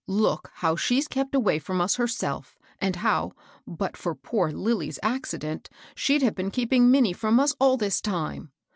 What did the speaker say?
Look how she's kept away firom us herself, and how, but for poor Lilly's accident, she'd have been keeping Minnie from us all this time.